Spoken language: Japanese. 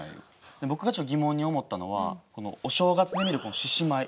僕がちょっと疑問に思ったのはお正月に見る獅子舞